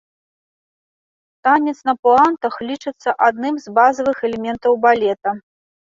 Танец на пуантах лічыцца адным з базавых элементаў балета.